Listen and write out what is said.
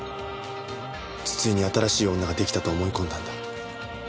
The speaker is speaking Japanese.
筒井に新しい女ができたと思いこんだんだ。